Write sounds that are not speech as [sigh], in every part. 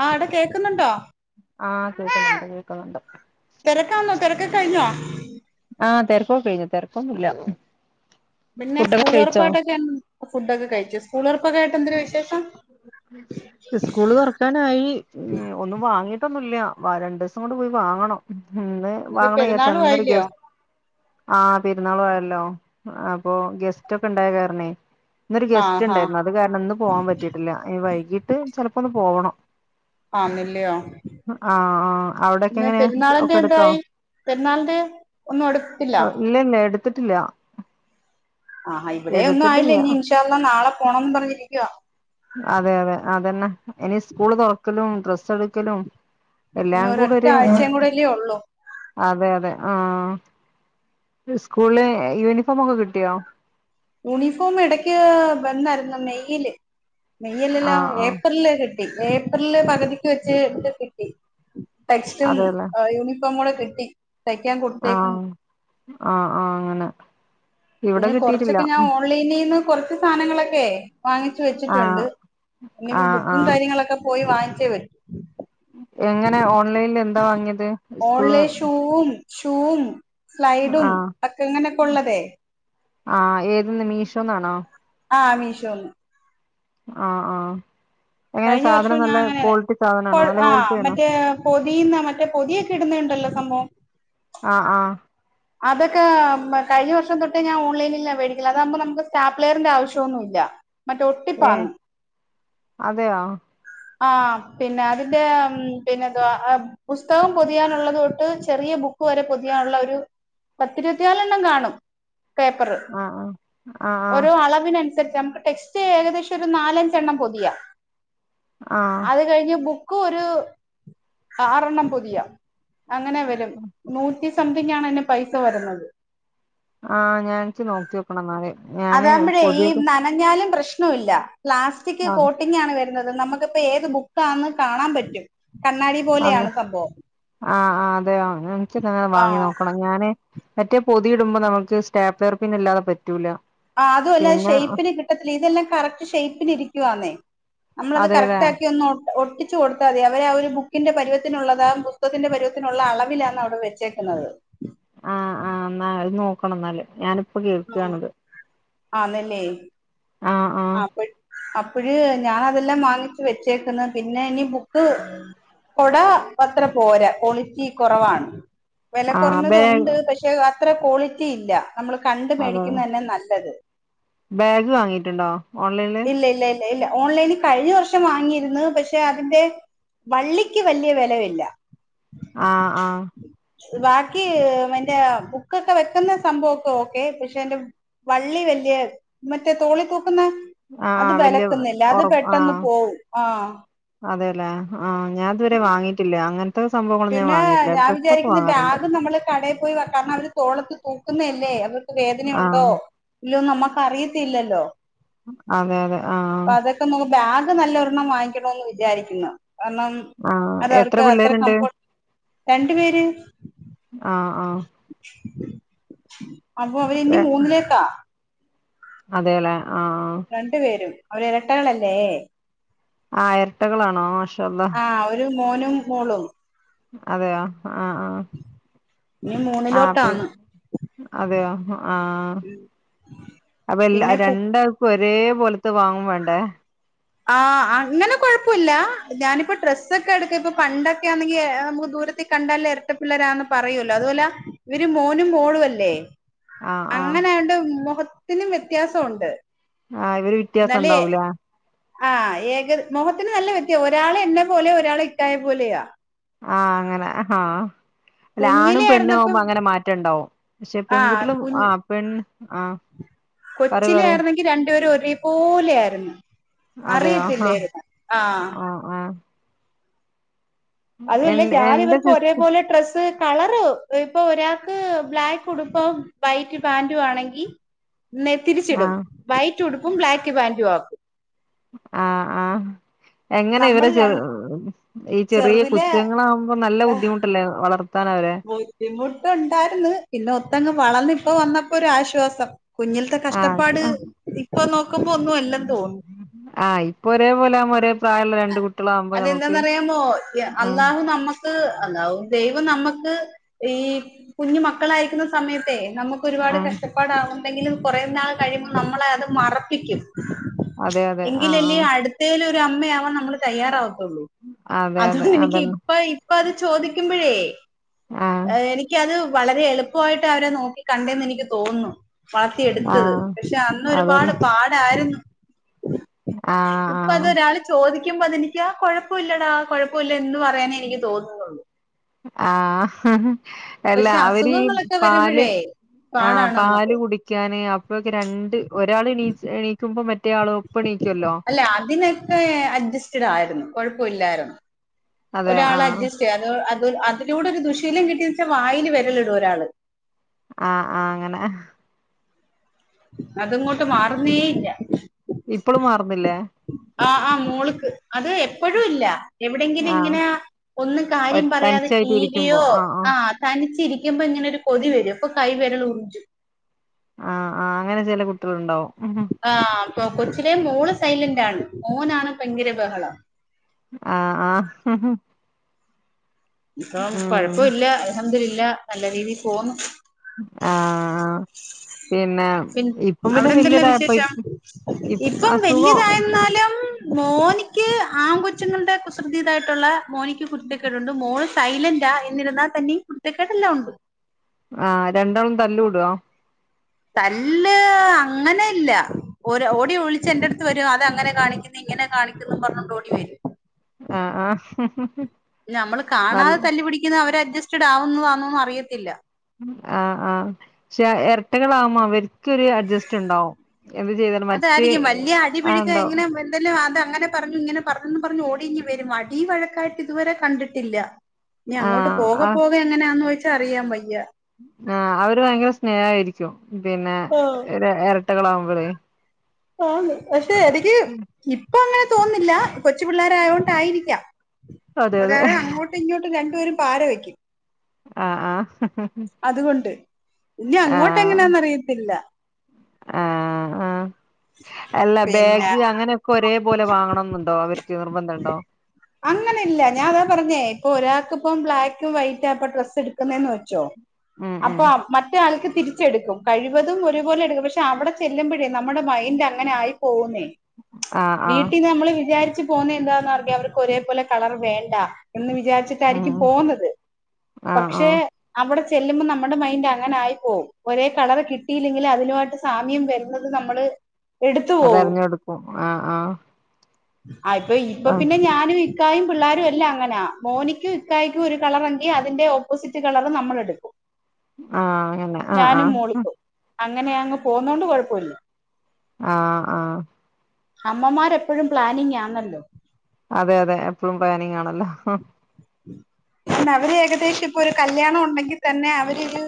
ആ ഇടെ കേക്കുന്നുണ്ടോ ആഹ് കേൾക്കുന്നുണ്ട് കേൾക്കുന്നുണ്ട് തിരക്കാന്നോ തിരക്ക കഴിഞ്ഞോ ആഹ് തെരക്കൊക്കെ കഴിഞ്ഞു തെരക്കൊന്നുല്ല പിന്നെ സ്കൂളൊർപ്പായിട്ടൊക്കെ എ ഫുഡ്ഡൊക്കെ കഴിച്ചു സ്കൂളൊറപ്പൊക്കായിട്ട് എന്തര് വിശേഷം ഉം ഇസ്കൂള് തൊറക്കാനായി ഒന്നും വാങ്ങിയിട്ടൊന്നുംല്ല വ രണ്ടുസം കൊണ്ട് പോയി വാങ്ങണം ഉം ഇന്ന് ഇനിപ്പോ വാങ്ങണം വിചാരിചാണ് പെരുന്നാളും ഇന്ന് ഒരു ആയില്ലയോ ഗസ് ആഹ് പെരുന്നാളു ആയല്ലോ അപ്പൊ ഗെസ്റ്റ് ഒക്കെഇണ്ടായ കാരണേ ഇന്നൊരു ആ ഗെസ്റ്റ് ഹാ ഇണ്ടായിരുന്നു അത് കാരണം ഇന്ന് പോവാൻ പറ്റിട്ടില്ല ഇന് വൈകീട്ട് ചെലപ്പോ ഒന്ന് പോവണം ആന്നില്ലയോ ആഹ് ആഹ് പിന്നെ അവിടെക്കെഎങ്ങനേ പെരുന്നാളിന്റെ ഒക്കെടുത്തോ എന്തായി പെരുന്നാളിന്റെ ഒന്നും എടുത്ത്ല്ല ഇല്ല ഇല്ല എടുത്തിട്ടില്ല ആഹാ ഇവിടെയൊന്നും ആയില്ല എടുത്തിട്ടില്ല ഇനി ഇൻഷാഅള്ളാഹ് നാളെ പോണംന്ന് പറഞ്ഞിരിക്കുവാ അതെ അതെ അതന്നെ ഇനി സ്കൂള് തൊറക്കലും ഡ്രസ്സ് എടുക്കലും ഇനി എല്ലാം കൂടെ ഒരൊറ്റ ഒര് ആഴ്ചയും കൂടെയല്ലേ ഉള്ളൂ അതെ അതെ ആഹ് സ്കൂളില് യൂണിഫോമൊക്കെ കിട്ടിയോ യൂണിഫോം ഇടയ്ക്ക് വന്നായിരുന്നു മെയ്യില് മെയ്ലെല്ലാ ആഹ് ആഹ് ഏപ്രില് കിട്ട് ട്ടി ഏപ്രിൽല് പകുതിക്ക് വെച്ച് എടു കിട്ടി ടെക്സ്റ്റും അതെല്ലേ യൂണിഫോ ടൊന്നുടെ കിട്ടി തയ്ക്കാൻ കൊടുത്തേക്കുന്നു ആഹ് ആഹ് ആഹ് അങ്ങനെ ഇവിടെ കിട്ടിട്ടില്ല ഓൺലൈനിന്ന് കൊറച്ച് സാധങ്ങളൊക്കെ വാങ്ങിച്ച് വെച്ചിട്ടുണ്ട് ആഹ് ഇനി പ്പൊ ആഹ് ബുക്കും ആഹ് കാര്യങ്ങളക്കെ പോയി വാങ്ങിച്ചേ പറ്റു എങ്ങനെ ഓൺലൈൻല് എന്താ വാങ്ങിയത് സ്കൂള് ഓൺലൈൻ ഷൂവും ഷൂവും സ്ലൈഡും ആഹ് ഒക്കെങ്ങ്നൊക്കൊള്ളതേ ആഹ് ഏത് ന്ന് മീഷോന്നാണോ ആഹ് മീഷോന്ന് ആഹ് ആഹ് എങ്ങനെ കഴിഞ്ഞ സാധനം വർഷവും ഞാൻ നല്ല അങ്ങനെയാണ് ക്വാളിറ്റി സാധനാണോ നല്ല ക്വാളിറ്റി ആണോ പൊതിയ്ന്ന മറ്റേ പൊതിയൊക്കെ ഇടുന്നണ്ടല്ലോ സംഭവം ആഹ് ആഹ് [unintelligible] അതൊക്കെ ന്താ കഴിഞ്ഞ വർഷം തൊട്ടേ ഞാൻ ഓൺലൈനിലാ വേടിക്കല് അതാകുമ്പോ നമുക്ക് സ്റ്റാപ്ലെയറിന്റെ ആവശ്യംന്നും ഇല്ല മറ്റേ ഏഹ് ഒട്ടിപ്പാന്ന് അതെയോ ആഹ് പിന്നെ അതിന്റെ പിന്നെന്തുവാ അ പുസ്തകം പൊതിയാനുള്ളത് തൊട്ട് ചെറിയ ബുക്ക് വരെ പൊതിയാനുള്ള ഒരു പത്തിരുപത്തിയാലെണ്ണം കാണും പേപ്പറ് ആഹ് ആഹ് ആഹ് ഓരോ അളവിനനുസരിച്ച് നമുക്ക് ടെക്സ് റ്റ് ഏകദേശം ഒരു നാലഞ്ചെണ്ണം പൊതിയാ ആഹ് അത് ആഹ് കഴിഞ്ഞ് ബുക്ക് ഒര് ആറെണ്ണം പൊതിയ അങ്ങനെ വെ നൂറ്റി സംതിങ്ങാണ് അയ്ന് പൈസ വരുന്നത് ആഹ് ഞാൻ ച്ച് നോക്കിയോക്കണംന്നാല് ഞാന് പൊതിയൊക്കെ ന്നൻഞാലും പ്രശ്നവില്ല പ്ലാസ്റ്റിക് കോ ആഹ് ട്ടിങ്ങാണ് വരുന്നത് നമ്മക്ക്പ്പോ ഏത് ബുക്കാന്ന് കാണാൻ പറ്റും കണ്ണാടി അതെ പോലെയാണ് സംഭവം ആഹ് ആഹ് അതെയോ എൻച്ച് ന്നാന്ന് ആ വാങ്ങി നോക്കണം ഞാന് മറ്റേ പൊതി ഇടുമ്പോ നമുക്ക് സ്റ്റാപ്പ്ലർപ്പിന്ന് ഇല്ലാതെ പറ്റൂല ആഹ് അതുഅല്ല പിന്നെ ഷേയ്പ്പിന് കിട്ടത്തില്ല ഇതെല്ലാം കറക്റ്റ് ഷേ്യ്പ്പിന് ഇരിക്കുവാന്നേ നമ്മളത് അതെല്ലേ കറക്റ്റ് ആക്കി ഒന്നോ ഒട്ടിച്ചു കൊടുത്താൽ മതി അവര് ആ ഒരു ബുക്കിന്റെ പരുവത്തിനുള്ളതാ പുസ്തകത്തിന്റെ പരുവത്തിനുള്ള അളവിലാാണ് അവിടെ വെച്ചേക്കുന്നത് ആഹ് ആഹ എന്ന അത് നോക്കണം എന്നല്േ ഞാനിപ്പോ കേൾക്കാണത് ആന്നല്ലേ ആഹ് ആഹ് അപ്പ അപ്പഴ് ഞാൻ അതെല്ലാം വാങ്ങിച്ച് വെച്ചേക്കുന്ന പിന്നെ ഇനി ബുക്ക് കൊട അത്ര പോരാ ക്വാളിറ്റി കുറവാണ് വെല ആഹ് കുറഞ്ഞത് ബാഗ് ഉണ്ട് പക്ഷെ അത്ര ക്വാളിറ്റി ഇല്ല നമ്മള് കണ്ട് അതെ മേടിക്കുന്ന തന്നെ നല്ലത് ബാഗ് വാങ്ങിയിട്ടുണ്ടോ ഓൺലൈന് ഇല്ല ഇല്ല ഇല്ല ഇല്ല ഓൺലൈനിൽ കഴിഞ്ഞ വർഷം വാങ്ങിയിരുന്നു പക്ഷെ അതിന്റെ വള്ളിക്ക് വലിയ വെലയില്ല ആഹ് ആഹ് ബാക്കി എന്റെ ബുക്കൊക്കെ വെക്കുന്ന സംഭവൊക്കെ ഓക്കെ പക്ഷെ എൻ്റെ വള്ളി വല്ിയ മറ്റേ തോളി തൂക്കുന്ന ആഹ് അത് ആഹ് വല്യ ബെലക്കുന്നില്ല അത് ഉറപ്പ് പെട്ടെന്ന് ആഹ് പോവും ആഹ് അതെല്ലേ ആഹ് ഞാാന ഇതുവരെ വാങ്ങിട്ടില്ല അങ്ങനെ ഇ സംഭവങ്ങളൾ ഞാ പിന്നെ വാങ്ങിട്ടില്ല ഞാൻ ഡ്രസ്സ വിചാരിക്കുന്ന ഒക്കൊങ്ങാറുണ്ട് ബാഗ് നമ്മള് കടയിൽ പോയി കാരണം അവര് തോളത്ത് തൂക്കുന്നല്ലേ അവർക്ക് ആഹ് വേദനയുണ്ടോ ഇല്ലോ നമ്മുക്ക് അറിയത്തില്ലല്ലോ അതെ അതെ അപ്പൊ ആഹ് അതൊക്കെ ബാഗ് നല്ല ഒരെണ്ണം വാങ്ങിക്കണന്ന് വിചാരിക്കുന്നു കാരണം ആഹ് എത്ര പിള്ളേർ അ രണ്ട പേര് ആഹ ആഹ അപ്പൊ അവര് ഇ മൂന്നിലേക്കാ അതെല്ലേ ആഹ് രണ്ടു പേരും അവര് ഇരട്ടകളല്ലേ ആഹ് ഇരട്ടകളാണോ മാഷ് ആഹ് ഒരു മോനും മോളും അതെയോ ആഹ് ആഹ് ഇനി ആപ്പൊ മൂന്നിലോട്ടാന്ന് അതെയോ ആഹ് അപ്പൊ പിന്നെ എല്ലാര കു ണ്ടാൾ ക്കുംഒരേ പോലത്തെ വാങ്ങും വേണ്ടേ ആഹ് അങ്ങനെ കുഴപ്പല്ല ഞാനിപ്പോ ഡ്രസ്സൊക്കെ എടുക്ക ഇപ്പ പണ്ടൊക്കൊണെങ്കി നമുക്ക് ദൂരത്ത കണ്ടാലേ ഇരട്ട പിള്ളേരാന്ന് പറയൂല്ലോ അതുപോലെ ഇവര് മോനും മോളും അല്ലേ ആഹ് ആഹ് അങ്ങനെ അണ്ട് മുഖത്തിനും വ്യത്യാസംണ്ട് ആഹ് ഇവര് വ്യത്യാസം ഉണ്ടാവൂലേ ആഹ് ഏക മോഹത്തിന് നല്ല വ്യത്യ ഒരാൾ എന്നെ പോലെയോ ഒരാൾ ഇക്കായ പോലെയ ആഹ് അങ്ങനെ ആഹ അല്ലെ ആണും കുഞ്ഞിലെ പെണ്ണും ആയിരുന്നപ്പം ആവുമ്പോ അങ്ങനെ മാറ്റ റ്റണ്ടാവും പക്ഷെ പെൺകുട്ടികളും ആ പെൺ കൊച്ചില ആായിരുന്നെങ്കിൽ രണ്ടുപേരും ഒരേപോലെ ആയിരുന്നു അതെയോ ആഹ് അറിയത്തില്ലരുന്നു ആഹ് എ അതുമല്ല ഞാന എന്റെ ഇവർക്ക് സിസ് ഒരേപോലെ ഡ്രെസ്സ് കളർ ഇപ്പൊ ഒരാൾക്ക് ബ്ലാക്ക് ഉടുപ്പം വൈറ്റ് പാന്റും ആണെങ്കിൽ തിരിച്ചിടും ആഹ് വൈറ്റ് ഉടുപ്പും ബ്ലാക്ക് പാന്റും ആക്കും ആഹ് ആഹ് എങ്ങനെ നമ്മൾ ഇവരെ ചെറു രണ്ട് ഈ ചെറിയ ചെറുതിലെ കുച്ചങ്ങളാകുമ്പോ നല്ല ബുദ്ധിമുട്ടല്ലേ വളർത്താൻ അവരെ ബുദിമുട്ടുണ്ടായിരുന്നു പിന്നെ ഒത്തങ്ങങ് വളർന്ന ഇപ്പ വന്നപ്പോ ഒരു ആശ്വാസം. കുഞ്ഞിലത്തെ ആഹ് കഷ്ടപ്പാട് ഇപ്പൊ നോക്കുമ്പോ ഒന്നും അല്ലന്ന് തോന്നും. ആഹ് ഇപ്പൊ ഒരേ പോലെ [unintelligible] ഒരേ പ്രായള്ള രണ്ട് കുട്ട് അതെന്താന്നറിയാമോ ഇ അള്ളാഹു നമ്മക്ക് ത് അള്ളാഹു ദൈവം നമ്മക്ക് ഈ കുഞ്ഞു മക്കളായിരിക്കുന്ന സമയത്തെ നമ്മക്ക് ഒരുപാട് ആഹ് കഷ്ടപ്പാടാവണ്ടെങ്കിലും കൊറേ നാള് കഴിയുമ്പോ നമ്മളെ അത് മറപ്പിക്കും. അതെ അതെ ആഹ് എങ്കിലല്ലേ ആഹ് അടുത്തേല് ഒരു അമ്മയാവാൻ നമ്മള് തയ്യാറാവത്തുള്ളൂ. അതെ അതെ അതുകൊണ്ട് എനിക്ക് അതന്നെ ഇപ്പ ഇപ്പ അത് ചോദിക്കുമ്പഴേ ആഹ് ഏഹ് എനിക്കത് വളരെ എളുപ്പവായിട്ടാ അവരെ നോക്കി കണ്ടേന്ന് എനിക്ക് തോനുന്നു. വളത്തി എടുത്തത് ആഹ് പക്ഷെ അന്ന് ഒരുപാട് അതന്നെ പാടായിരുന്നു. ആഹ് ഇപ്പൊ ആഹ് അതൊരാള് ചോദിക്കുമ്പോ അതെനിക്കാ കൊഴപ്പയില്ലെടാ കൊഴപ്പയില്ലാ എന്ന് പറയാനേ എനിക്ക് തോനുന്നുള്ളൂ. ആഹ് എല്ലാ പക്ഷെ അവര് ഈ അസുഖങ്ങളൊക്കെ പാല് വരുമ്പോഴേ ആഹ് പാടാണ് നമ്മുക്ക് പാല് കുടി ക്കാന് അപ്പൊക്ക് രണ്ട് ഒരാള് എണീച്ച് എണീക്കുമ്പോ മറ്റേ ആളും ഒപ്പം എണീക്കുവല്ലോ അല്ല അതിനൊക്കെ അഡ്ജസ്റ്റഡ് ആയിരുന്നു കൊഴപ്പ ഇല്ലായിരുന്നു. അതെ ഒരാള് ആഹ് അഡ്ജസ്റ്റ് ചെയ്യു അത് അത് അതിലൂടെ ഒരു ദുശീലം കിട്ടിയേ വെച്ചാല് വായില് വെരലിടും ഒരാള്. ആഹ് ആഹ് അങ്ങനെ അത് ഇങ്ങോട്ട് മാറുന്നേ ഇല്ല ഇപ്പളും മാറുന്നില്ലേ ആഹ് ആഹ് മോള്ക്ക് അത് എപ്പഴും ഇല്ലാ എവിടെങ്കിലും ആഹ് ഇങ്ങനെ ഒന്നും കാര്യം പറയാതെ ടിവിയോ ആഹ് തനിച്ചിരിക്കുമ്പ ഇങ്ങനൊരു കൊതി വരും അപ്പ കൈ വെരല് മൂഞ്ചും ആഹ് ആഹ് അങ്ങനെ ചെല കുട്ടികൾ ഉണ്ടാവും. ആഹ് കൊച്ചിലെ മോള് സൈലന്റ് ആണ് മോനാണ് ഭയങ്കര ബഹളം. ആഹ് ആഹ് ഇപ്പം ഉം കൊഴപ്പൊ ഇല്ല അൽഹംദുലില്ലാ നല്ല രീതി പോന്നു ആഹ് ആഹ് പിന്നെ പിൻ ഇപ്പം പിന്നെ അവിടെ എന്തല്ലാ വല്യതായപ്പ വിശേഷം ഇ ഇപ്പം അസുഖം വല്യതായെന്നാലും മോനിക്ക് ആങ്കൊച്ചുങ്ങളുടെ കുസൃതീതായിട്ടുള്ള മോനിക്ക് കുരുത്തക്കേടുണ്ട് മോള് സൈലന്റാ എന്നിരുന്നാ തന്നെയും കുരുത്തക്കേടെല്ലാം ഒണ്ട്. ആഹ് രണ്ടാളും തല്ലു കൂടോ? തല്ല് അങ്ങനെ ഇല്ല ഒര് ഓടി ഒളിച്ച് എന്റെ അടുത്ത് വരും അത് അങ്ങനെ കാണിക്കുന്ന് ഇങ്ങനെ കാണിക്കുന്നു പറഞ്ഞോണ്ട് ഓടി വരും ആഹ് ആഹ് പിന്നെ നമ്മള് നല്ല കാണാതെ തല്ലുപിടിക്ക് ക്കുന്ന അവര് അഡ്ജസ്റ്റഡ് ആവുന്നതാണൊന്നും അറിയത്തില്ല ആഹ് ആഹ് പക്ഷെ എരട്ടകളവുമ്മ അവർക്ക് ഒരു അഡ്ജസ്റ്റ് ഇണ്ടാവും എന്ത് ചെയ്താ അതായിരിക്കും വല്യ അടിപിടിയെക്കെ ഇങ്ങനെ പിൻ [unintelligible] അത് അങ്ങനെ പറഞ്ഞു ഇങ്ങനെ പറഞ്ഞന്ന് പറഞ്ഞു ഓടി ഇങ്ങ് വരും അടിവഴക്കായിട്ട് ഇതുവരെ കണ്ടിട്ടില്ല ഇനി അങ്ങോട്ട് ആഹ് പോക ആഹ് പോകെ എങ്ങനാന്ന് ചോദിച്ചാ അറിയാൻ വയ്യാ. ആഹ് അവര് ഭയങ്കര സ്നേഹായിരിക്കും പിന്നെ ആഹ് ര എരട്ടകളാവുമ്പളെ ആന്ന് പക്ഷെ എനിക്ക് ഇപ്പൊ അങ്ങനെ തോന്നില്ലാ കൊച്ചു പിള്ളോരായോണ്ടായിരിക്കാം. അതെ അതെ ഒരാള് അങ്ങോട്ടും ഇങ്ങോട്ടും രണ്ടു പേരും പാര വയ്ക്കും. ആഹ് ആഹ് അതുകൊണ്ട് ഇനി അങ്ങോട്ട് ആഹ് എങ്ങനെയാന്നറിയത്തില്ലാ ആഹ് ആഹ് അല്ല പിന്നെ ബാഗ് അങ്ങനെ ഒരേ പോലെ വാങ്ങണം ന്നുണ്ടോ അവർക്ക് നിർബന്ധം ഉണ്ടോ അങ്ങനെ ഇല്ല ഞാൻ അതാ പറഞ്ഞേ ഇപ്പൊ ഒരാൾക്കിപ്പം ബ്ലാക്കും വൈറ്റാ അപ്പൊ ഡ്രസ്സ് എടുക്കുന്നതന്ന് വെച്ചോ ഉം ഉം അപ്പൊആപ്പ് മ മറ്റ ആൾക്ക് തിരിച്ചെടുക്കും കഴിവതും ഒരുപോലെ എടുക്കും പക്ഷെ അവിടെ ചെല്ലുമ്പോഴേ നമ്മുടെ മൈൻഡ് അങ്ങനെയായി പോകുന്നേ ആഹ് ആഹ് വീട്ടിൽന്ന് നമ്മള് വിചാരിച്ചു പോകുന്ന എന്താ അവർക്ക് ഒരേപോലെ കളർ വേണ്ട എന്ന് വിചാരിച്ച ഉം ക്കായിരിക്കും ഉം പോകുന്നത് ആഹ് പക്ഷേ ആഹ് അവിടെ ചെല്ലുമ്പോൾ നമ്മുടെ മൈൻറ് അങ്ങനായി പോകും ഒരേ കളർ കിട്ടിയില്ലെങ്കിൽ അതിനു വേണ്ടി സാമ്യം വരുന്നത് നമ്മൾ എടുത്ത് അതെറിഞ്ഞ കൊടുക്കും ആഹ് ആഹ് ആഹ് ഇപ്പൊ ഇപ്പൊ ആഹ് പിന്നെ ഞാനും ഇക്കായും പിള്ളോരും എല്ലാം അങ്ങനെയാ മോനിക്കും ഇക്കായക്കും ഒരു കളർങ്കി അതിന്റെ ഓപ്പോസിറ്റ് കളർ നമ്മള് എടുക്കും ആഹ് അങ്ങനെ ആഹ് ഞാനും ആഹ് മോളിക്കു അങ്ങനെ അങ്ങ് പോകുന്നതോണ്ട് കുഴപ്പമില്ല ആഹ് ആഹ് അമ്മമാരെപ്പോഴും പ്ലാനിങ് ആണല്ലോ അതെ അതെ എപ്പോഴും പ്ലാനിങ് ആണല്ലോ ന്നാ അവര് ഏകദേശം ഇപ്പൊ ഒരു കല്യാണം ഉണ്ടെങ്കിൽ തന്നെ അവരൊരു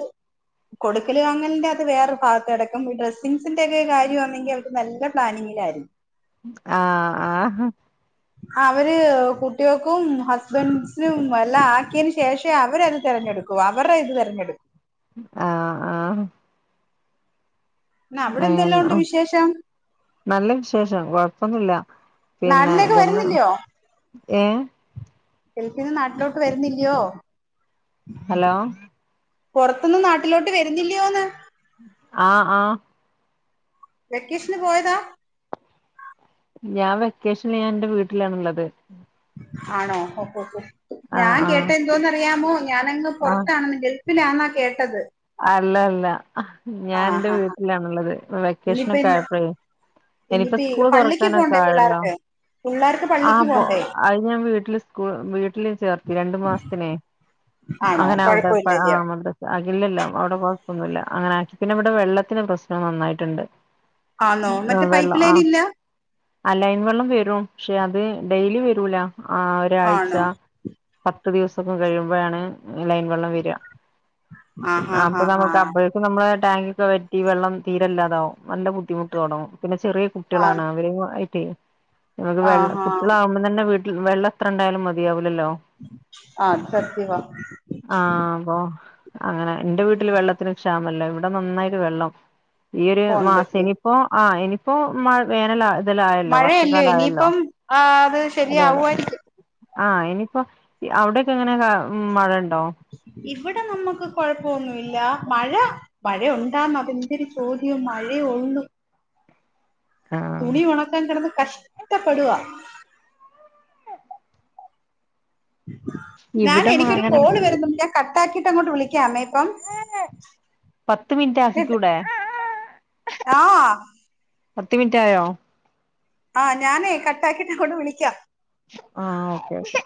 കൊടുക്കൽ വാങ്ങലിന്റെ അത് വേറെ ഭാഗത്ത് കടക്കും ഡ്രെസിഗ്സിന്റെ ഒക്കെ കാര്യംമാനണെ ങ്ക നല്ല പ്ലാനിങ്ങിലായിരുന്നു ആഹ് ആഹ് അവര് കുട്ടികൾക്കും ഹസ്ബൻഡസിനും എല്ലാം ആക്കിയന് ശേഷം അവരത് തിരഞ്ഞെടുക്കും ആ അവരുടെ ഇത് തിരഞ്ഞെടുക്കും ആഹ് ആഹ് പിന്നെ അവിടെ എന്തെല്ലാം അന്നോ ഉണ്ട് വിശേഷം നല്ല വിശേഷം കൊഴപ്പൊന്നുമില്ല പിന്നെ നാട്ടിലേക്ക് ഇതന്ന വരുന്നില്ലയോ ഏ ഗൾഫിന്ന് നാട്ടിലോട്ട് വരുന്നില്ലയോ ഹലോ പുറത്തൊന്നുനാട്ടിലോട്ട് വരുന്നില്ലയോന്ന് ആഹ് ആഹ് വെക്കേഷന് പോയതാ ഞാൻ വെക്കേഷന് ഞാൻ എന്റെ വീട്ടിലാണുള്ളത് ആണോ ഓ ഓ ആഹ് ഞാൻ കേട്ട ആഹ് എന്തോന്നറിയാമോ ഞാനങ്ങ് ആഹ് പുറത്താണെങ്കിൽ ഗൾഫിലണന്നാ കേട്ടത് അല്ല അല്ല ആ ഞാൻ എന്റെ ഹാ ഹാ വീട്ടിലാണുള്ളത് ഇപ്പൊ ഇനിയിപ്പ വെക്കേഷനൊക്കെ ഇന്ന് ആയപ്പോഴേ ഇനിയിപ്പോ ഇനിയിപ്പ സ്കൂള് തുറക്കാനൊക്കെ ആയല്ലോ പിള്ളേർക്കും ആപ്പോ അത് ഞാൻ വീട്ടില് സ്കൂ വീട്ടില് ചേർത്തി രണ്ടു മാസത്തിനെ ആണോ അങ്ങനെ അവിടെപ്പോ കൊഴപ്പമില്ലല്ലയോ ആത അകില്ലല്ലോ അവിടെ കുയപ്പന്നുമില്ല അങ്ങനെ ആക്കി പിന്നെ ഇവിടെ വെള്ളത്തിന് പ്രശ്നവും നന്നായിട്ടുണ്ട് ആണോ മറ്റേ പൈപ്പ് ലൈൻ ഇല്ല അ ലൈൻ വെള്ളം വരും പക്ഷെ അത് ഡെയിലി വരൂല ആ ഒരാഴ്ച ആണോ പത്ത് ദിവസൊക്കെ കഴിയുമ്പോഴാണ് ലൈൻ വെള്ളം വരിക ആഹ് ആ ആഹ് അപ്പൊ ആഹ് നമുക്ക് അപ്പൊ നമ്മള്ടെ ടാങ്ക് ഒക്കെ വറ്റി വെള്ളം തീരല്ലാതാവും നല്ല ബുദ്ധിമുട്ട് തുടങ്ങും പിന്നെ ചെറിയ കു കുട്ടികളാണ് ആഹ് അവരെ ആയിട്ട് നമുക്ക് ആഹ് വെള്ള ആഹ് ആഹ് ആഹ് കുട്ടികളാകുംമ്പൊ തന്നെ വീട്ടിൽ വെള്ള എത്രിണ്ടായാലും മതിയാവില്ലല്ലോ ആഹ് അത് സത്യവാ ആഹ് ആം മ്പൊ അങ്ങനെ എന്റ വീട്ടില് വെള്ളത്തിന് ക്ഷാമമില്ല ഇവിടെ നന്നായിട്ട് വെള്ളം ഈയൊരു മാസം പോണ്ടല്ലേ ഇനിപ്പോ ആ ഇനിയിപ്പോ മഴ വേനല ഇതലായല്ലോ വർഷ ഇല്ല ഇനിയിപ്പം ആ അത് അതെ ശരിയാവുയാരികും ആഹ് ഇനീപ്പം അവിടൊക്കെ എങ്ങനെ ക മഴയിണ്ടോ ഇവിടെ നമക്ക് കൊഴപ്പോന്നുല്ല മഴ മഴയ ഉണ്ടാന്ന അതെൻതൊരു ചോദ്യം മഴയേ ഒള്ളൂ ആഹ് തുണി ഉണക്കാൻ കെടന്ന് കഷ്ടപ്പെടുവാ ഞാൻ ഇവിടെ എനിക്കൊരു അങ്ങനെ കോള് വരുന്നു ഞാൻ കട്ടാക്കിയിട്ട് അങ്ങോട്ട് വിളിക്കാമേ ഇപ്പം പത്ത് മിനിറ്റ് കേട്ട് ആക്കിക്കൂടെ ആഹ് പത്ത് മിനിറ്റ് ആയോ ആ ഞാനേ കട്ടാക്കിട്ട് അങ്ങോട്ട് വിളിക്കാം ആഹ് ഓക്കെ